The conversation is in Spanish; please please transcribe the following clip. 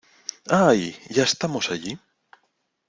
¡ Ay! ¿ ya estamos allí?